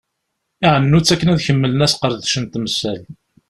Iɛennu-tt akken ad kemmlen asqerdec n temsal.